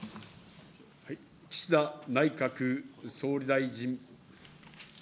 岸田内閣総理大臣。